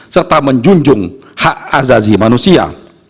serta menjunjung hak azazi manusia